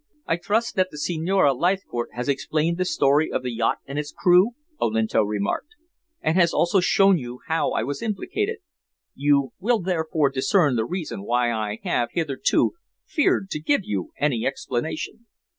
"I trust that the Signorina Leithcourt has explained the story of the yacht and its crew," Olinto remarked. "And has also shown you how I was implicated. You will therefore discern the reason why I have hitherto feared to give you any explanation."